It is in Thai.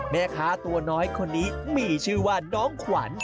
แม่ค้าตัวน้อยคนนี้มีชื่อว่าน้องขวัญ